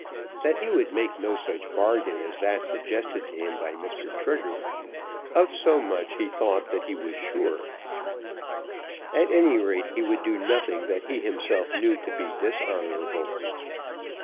That he would make no such bargain as that suggested to him by Mr. Trigger, of so much he thought that he was sure. At any rate he would do nothing that he himself knew to be dishonourable.